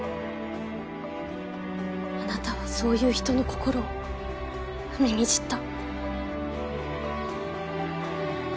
あなたはそういう人の心を踏みにじった。